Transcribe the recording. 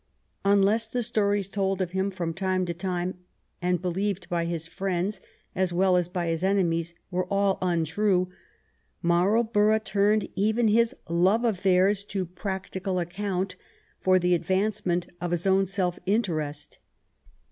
Unless the stories told of him from time to time, and believed by his frineds as well as by his enemies, were all imtrue, Marlborough turned even his love affairs to practical account for the advancement of his own self interest.